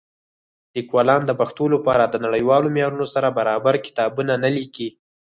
لیکوالان د پښتو لپاره د نړیوالو معیارونو سره برابر کتابونه نه لیکي.